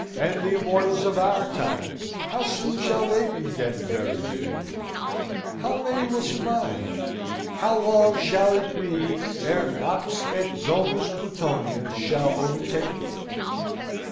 And the Immortals of our time, how soon shall they be dead and buried, think you? How many will survive? How long shall it be ere Nox et Domus Plutonia shall overtake them?